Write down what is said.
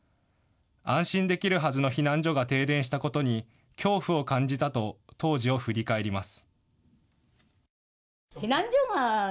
安心できるはずの避難所が停電したことに恐怖を感じたと当時を振り返ります。